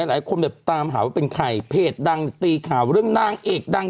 หลายคนแบบตามหาว่าเป็นใครเพจดังตีข่าวเรื่องนางเอกดัง